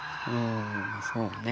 そうね。